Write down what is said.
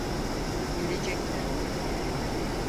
Gelecekten.